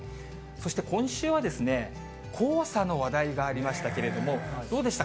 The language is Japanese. そして今週は、黄砂の話題がありましたけれども、どうでした？